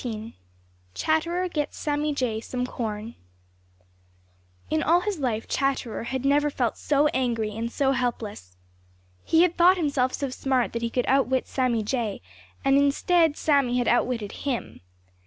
*XIX* *CHATTERER GETS SAMMY JAY SOME CORN* In all his life Chatterer had never felt so angry and so helpless. He had thought himself so smart that he could outwit Sammy Jay, and instead Sammy had outwitted him.